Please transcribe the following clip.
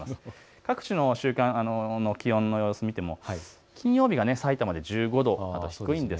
各地の週間の気温の様子を見ても金曜日がさいたまで１５度低いです。